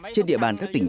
trên địa bàn các tỉnh